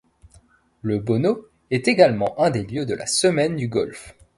Le Bono est également un des lieux de la Semaine du Golfe.